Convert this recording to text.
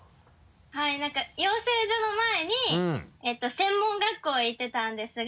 はいなんか養成所の前に専門学校へ行ってたんですが。